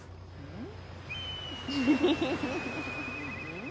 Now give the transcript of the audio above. うん？